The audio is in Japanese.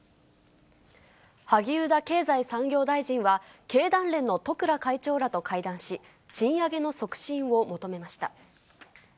萩生田経済産業大臣は、経団連の十倉会長らと会談し、賃上げの促進を求めました。